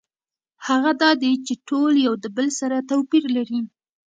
هغه دا دی چې ټول یو د بل سره توپیر لري.